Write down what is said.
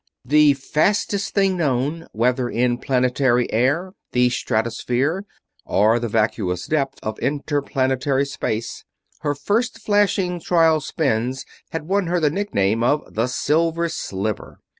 The fastest thing known, whether in planetary air, the stratosphere, or the vacuous depth of interplanetary space, her first flashing trial spins had won her the nickname of the Silver Sliver.